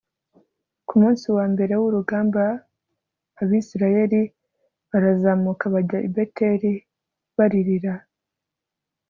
ku munsi wa mbere w urugamba Abisirayeli barazamuka bajya i Beteli baririra